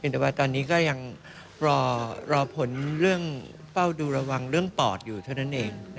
แต่ว่าตอนนี้ก็ยังรอผลเรื่องเฝ้าดูระวังเรื่องปอดอยู่เท่านั้นเอง